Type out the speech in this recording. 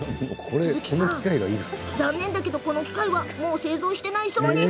鈴木さん、残念だけどこの機械はもう製造していないそうなんです。